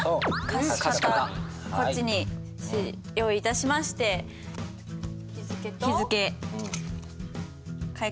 貸方こっちに用意致しまして日付と。